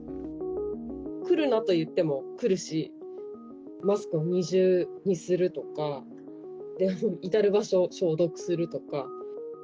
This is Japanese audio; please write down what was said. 来るなと言っても来るし、マスクを二重にするとか、至る場所を消毒するとか。